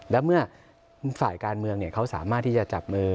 และเมื่อฝ่ายการเมืองเขาสามารถที่จะจับมือ